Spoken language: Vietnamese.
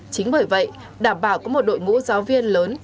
chính bởi vậy đảm bảo có một đội ngũ giáo viên lớn